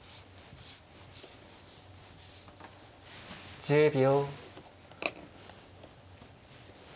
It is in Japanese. １０秒。